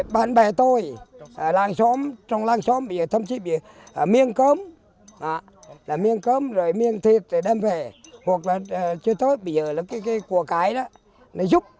bạn bè tôi trong làng xóm thậm chí bị miêng cơm miêng thịt để đem về hoặc là chưa tới bây giờ là cái của cái đó nó giúp